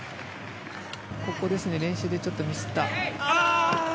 ここですね練習でちょっとミスった。